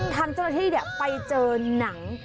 ทางเจ้าหน้าที่ไปเจอหนัง